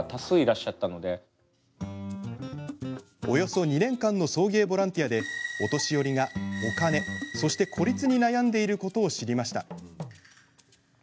およそ２年間の送迎ボランティアでお年寄りがお金、そして孤立に悩んでいることを知りました。